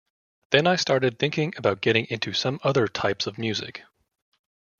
Then I started thinking about getting into some other types of music.